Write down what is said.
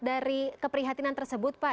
dari keprihatinan tersebut pak